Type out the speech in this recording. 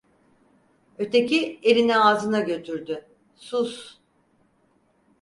Öteki, elini ağzına götürdü: "Sus…"